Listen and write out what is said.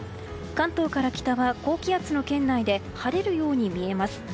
関東から北は高気圧の圏内で晴れるように見えます。